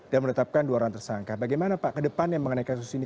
dan menetapkan dua orang tersangka bagaimana pak ke depan yang mengenai kasus ini